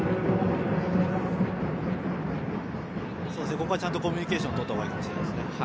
ここはちゃんとコミュニケーション取ったほうがいいですね。